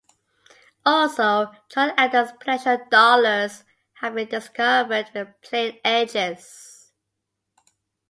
Also, John Adams Presidential dollars have been discovered with plain edges.